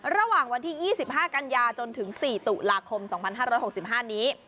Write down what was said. ระหว่างวันที่๒๕กันยาจนถึง๔ตุลาคม๒๕๖๕นี้